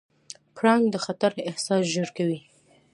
پړانګ د خطر احساس ژر کوي.